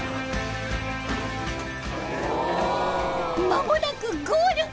まもなくゴール！